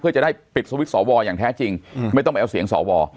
เพื่อจะได้ปิดสวิตช์สวอย่างแท้จริงไม่ต้องไปเอาเสียงสว